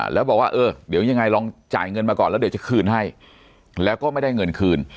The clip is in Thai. แล้วบอกว่าเออเดี๋ยวยังไงลองจ่ายเงินมาก่อนแล้วเดี๋ยวจะคืนให้แล้วก็ไม่ได้เงินคืน